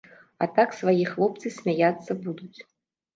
А так свае хлопцы смяяцца будуць.